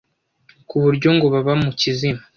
kuburyo ngo baba mu kizima.